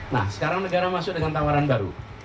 nah sekarang negara masuk dengan tawaran baru